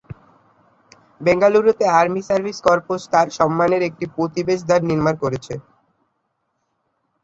বেঙ্গালুরুতে army service corps তাঁর সম্মানের একটি প্রবেশদ্বার নির্মাণ করেছে।